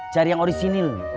cari yang orisinil